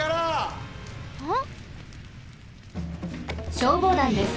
消防団です。